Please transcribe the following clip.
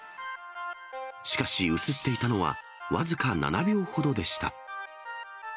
しかし、写っていたのは僅か７秒ほどでした。